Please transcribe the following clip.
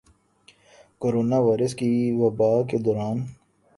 corona virus کی وبا کے دوران